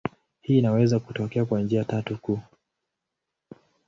Hii inaweza kutokea kwa njia tatu kuu.